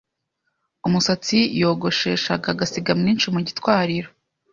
umusatsi yogosheshaga agasiga mwinshi mu gitwariro